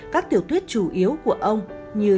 các tiểu tuyết chủ yếu của ông như